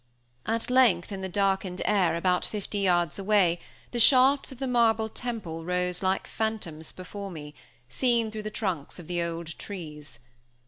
At length, in the darkened air, about fifty yards away, the shafts of the marble temple rose like phantoms before me, seen through the trunks of the old trees.